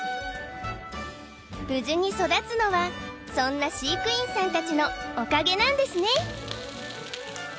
無事に育つのはそんな飼育員さんたちのおかげなんですね